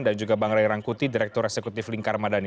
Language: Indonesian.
dan juga bang ray rangkuti direktur eksekutif lingkar madani